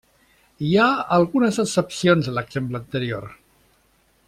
Hi ha algunes excepcions a l'exemple anterior.